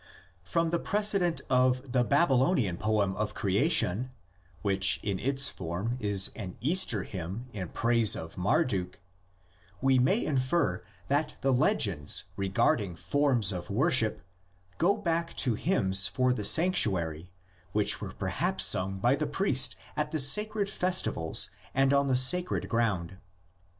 From the precedent of the Babylonian poem of the creation, which in its form is an Easter hymn in praise of Marduk, we may infer that the legends regarding forms of worship go back to hymns for the sanctuary which were perhaps sung by the priest at the sacred festivals and on the sacred ground (p.